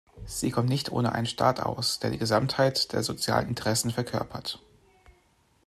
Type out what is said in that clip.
Sie kommt nicht ohne einen Staat aus, der die Gesamtheit der sozialen Interessen verkörpert.